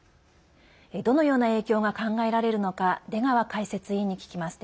どのような影響が考えられるのか出川解説委員に聞きます。